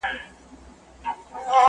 سندرغاړي نڅاگاني او سازونه!!